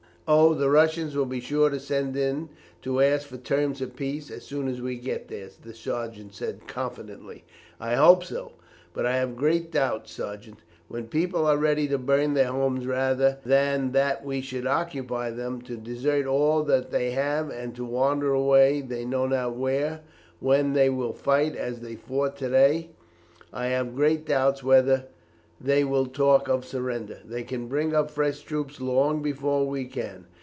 "Oh, the Russians will be sure to send in to ask for terms of peace as soon as we get there," the sergeant said confidently. "I hope so, but I have great doubts, sergeant. When people are ready to burn their homes rather than that we should occupy them, to desert all that they have and to wander away they know not where, when they will fight as they fought to day, I have great doubts whether they will talk of surrender. They can bring up fresh troops long before we can.